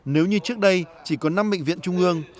nếu như trước đây chỉ có năm bệnh viện trung ương